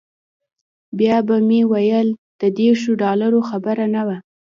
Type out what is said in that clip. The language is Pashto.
بیا به مې ویل د دیرشو ډالرو خبره نه وه.